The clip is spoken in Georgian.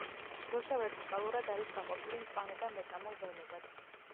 დროშა ვერტიკალურად არის გაყოფილი მწვანე და მეწამულ ველებად.